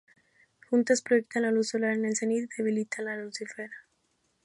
Juntas proyectan la luz solar en el cenit y debilitan a Lucifer.